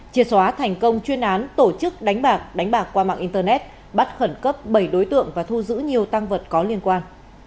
triệt xóa thành công chuyên án tổ chức đánh bạc đánh bạc qua mạng internet bắt khẩn cấp bảy đối tượng và thu giữ nhiều tăng vật có liên quan